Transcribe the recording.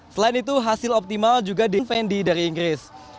selain itu hasil optimal juga di fendi dari inggris